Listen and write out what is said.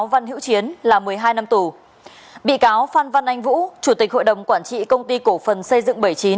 văn anh vũ chủ tịch hội đồng quản trị công ty cổ phần xây dựng bảy mươi chín